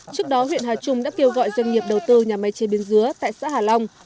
trước đó huyện hà trung đã kêu gọi doanh nghiệp đầu tư nhà máy chế biến dứa tại xã hà long